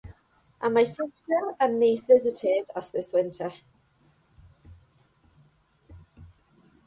My sister and niece visited us this winter.